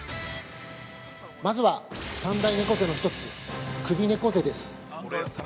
◆まずは三大猫背の１つ「首猫背」です。